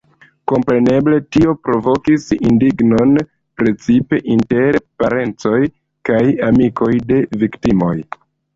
Kompreneble, tio provokis indignon precipe inter parencoj kaj amikoj de viktimoj.